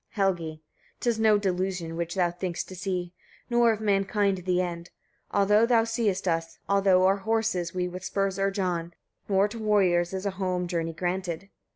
Helgi. 39. 'Tis no delusion which thou thinkst to see, nor of mankind the end, although thou seest us, although our horses we with spurs urge on, nor to warriors is a home journey granted.